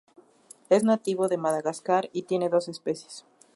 Es nativo de Madagascar y tiene dos especies.